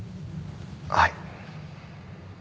はい。